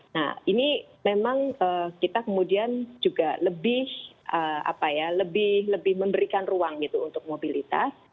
nah ini memang kita kemudian juga lebih memberikan ruang gitu untuk mobilitas